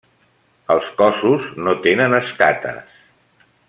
Els cossos no tenen escates.